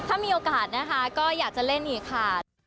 ถ้ามีโอกาสนะคะก็อยากจะเล่นอีกค่ะ